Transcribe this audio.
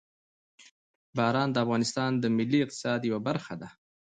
باران د افغانستان د ملي اقتصاد یوه برخه ده.